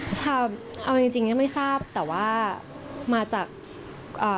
ถามแหวนบอกเคยแหวนเวลาที่โชว์โอ้